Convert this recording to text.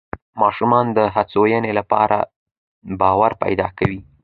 ماشومان د هڅونې له لارې باور پیدا کوي